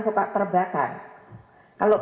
suka terbakar kalau